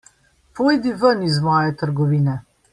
Pojdi ven iz moje trgovine.